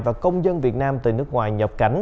và công dân việt nam từ nước ngoài nhập cảnh